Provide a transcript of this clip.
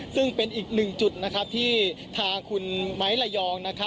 ซึ่งเป็นอีกหนึ่งจุดที่ทางคุณไม้ระยอง